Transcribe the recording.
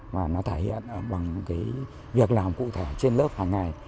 và nó thể hiện bằng việc làm cụ thể trên lớp hàng ngày